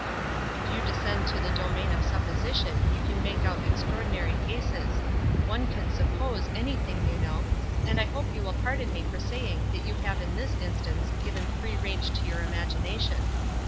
"If } T ou descend to the domain of supposition you can make out extraordinary cases. One can WISE AND OTHERWISE. 255 suppose anything, you know ; and I hope you will pardon me for saying that you have in this instance given free range to your imagination.